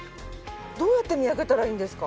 どうやって見分けたらいいんですか？